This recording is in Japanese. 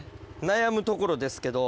悩むところですけど。